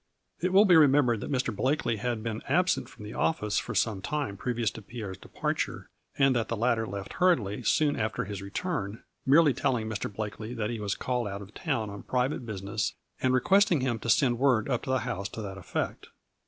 It will be remembered that Mr. Blakely had been absent from the office for some time previous to Pierre's departure, and that the latter left hurriedly soon after his return, merely telling Mr. Blakely that he was called out of town on private business, and requesting him to send word up to the house to that effect.